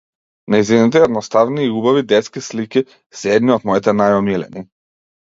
Нејзините едноставни и убави детски слики се едни од моите најомилени.